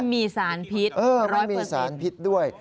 ไม่มีสารพิษ๑๐๐ไม่มีสารพิษด้วย